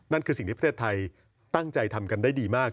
นั่นคือสิ่งที่ประเทศไทยตั้งใจทำกันได้ดีมาก